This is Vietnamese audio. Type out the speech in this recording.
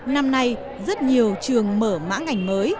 năm nay rất nhiều trường mở mã ngành mới